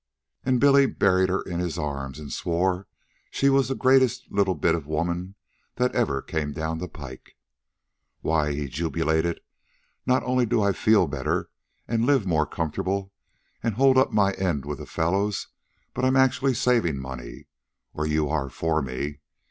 And Billy buried her in his arms and swore she was the greatest little bit of woman that ever came down the pike. "Why," he jubilated; "not only do I feed better, and live more comfortable, and hold up my end with the fellows; but I'm actually saving money or you are for me.